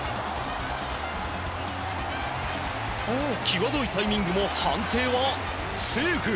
際どいタイミングも判定はセーフ。